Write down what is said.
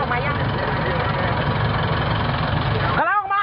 แล้วไม่ปลอดภัยเลยนะนะฮะ